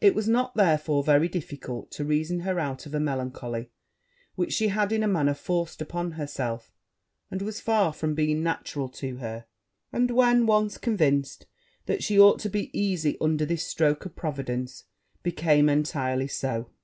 It was not, therefore, very difficult to reason her out of a melancholy which she had in a manner forced upon herself, and was far from being natural to her; and when once convinced that she ought to be easy under this stroke of Providence, became entirely so.